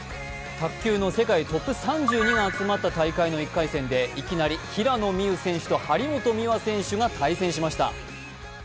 卓球の世界トップ３０が集まった大会の１回戦、いきなり平野美宇選手と張本美和選手が対戦しました。